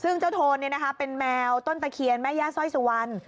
ซึ่งเจ้าโทนเป็นแมวต้นตะเคียนแม่ย่าสร้อยสุวรรณ